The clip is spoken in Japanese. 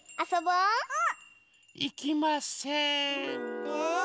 うん！